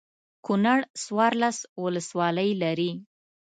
کنړ څوارلس ولسوالۍ لري.